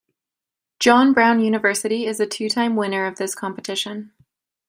John Brown University is a two time winner of this competition.